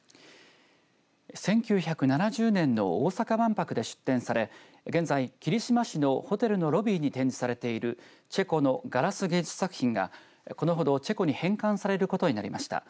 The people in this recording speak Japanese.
１９７０年の大阪万博で出展され現在、霧島市のホテルのロビーに展示されているチェコのガラス芸術作品がこのほどチェコに返還されることになりました。